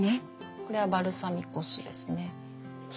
これはバルサミコ酢ですね。